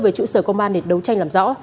về trụ sở công an để đấu tranh làm rõ